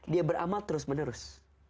dia beramal terus menerus